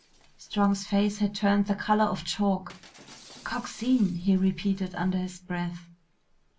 Strong's face had turned the color of chalk. "Coxine!" he repeated under his breath.